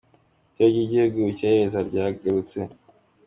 Itorero ry’igihugu Urukerereza ryagarutse